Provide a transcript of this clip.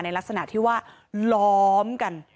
ลักษณะที่ว่าล้อมกัน